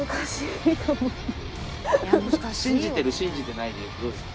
信じてる信じてないでいうとどうですか？